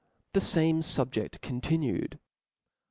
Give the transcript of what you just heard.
T^he fame SubjeB continued.